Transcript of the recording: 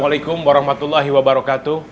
waalaikumsalam warahmatullahi wabarakatuh